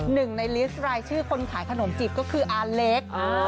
หนึ่งในลิสต์รายชื่อคนขายขนมจีบก็คืออาเล็ก